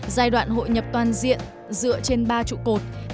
giai đoạn hội nhập toàn diện dựa trên ba trụ cột